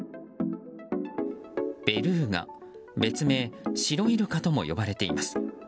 ベルーガ別名シロイルカとも呼ばれています。